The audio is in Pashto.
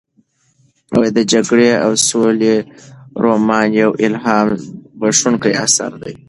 د جګړې او سولې رومان یو الهام بښونکی اثر دی.